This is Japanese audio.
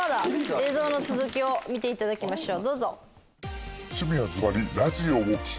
映像の続きを見ていただきましょう。